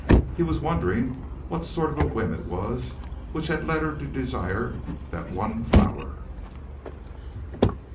He was wondering what sort of a whim it was which had led her to desire that one flower.